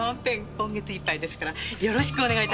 今月いっぱいですからよろしくお願いいたします。